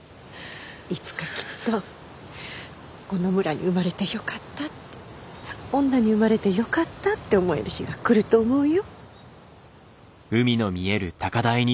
いつかきっとこの村に生まれてよかったって女に生まれてよかったって思える日が来ると思うよ。